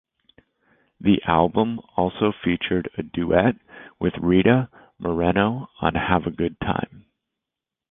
The album also featured a duet with Rita Moreno on Have A Good Time.